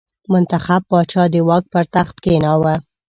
منتخب پاچا د واک پر تخت کېناوه.